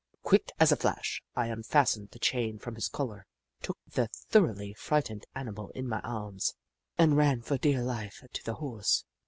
Quick as a flash, I unfastened the chain from his collar, took the thoroughly frightened animal in my arms, and ran for dear life to the Horse.